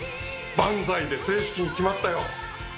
「バンザイ」で正式に決まったよ。